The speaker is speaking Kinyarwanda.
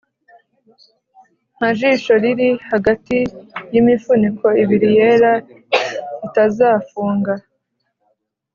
nka jisho riri hagati yimifuniko ibiri yera itazafunga.